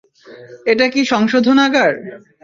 এটা কি সংশোধনাগার?